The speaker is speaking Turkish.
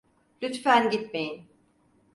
Lütfen gitmeyin!